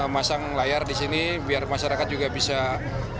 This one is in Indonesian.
masang layar disini biar masyarakat juga bisa lihat